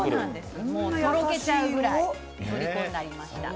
とろけちゃうぐらいとりこになりました。